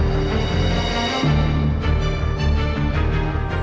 masa ini aku mau ke rumah